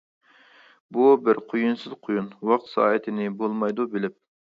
بۇ بىر قۇيۇنسىز قۇيۇن، ۋاقىت-سائىتىنى بولمايدۇ بىلىپ.